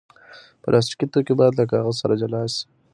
پلاستيکي توکي باید له کاغذ سره جلا شي.